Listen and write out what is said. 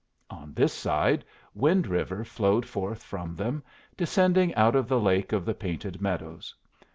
On this side, Wind River flowed forth from them, descending out of the Lake of the Painted Meadows.